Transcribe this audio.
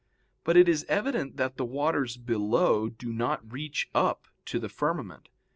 But it is evident that the waters below do not reach up to the firmament.